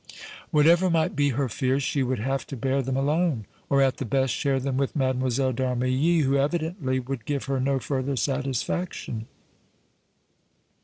Whatever might be her fears, she would have to bear them alone, or, at the best, share them with Mlle. d' Armilly, who, evidently, would give her no further satisfaction.